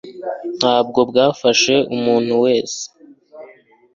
ntabwo bwafashe umuntu wese